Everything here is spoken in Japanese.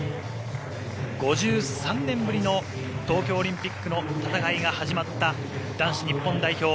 ５３年ぶりの東京オリンピックの戦いが始まった男子日本代表